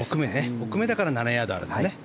奥めだから７ヤードあるんだ。